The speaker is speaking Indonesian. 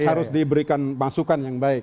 harus diberikan masukan yang baik